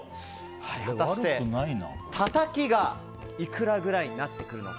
果たして、たたきがいくらぐらいになってくるのか。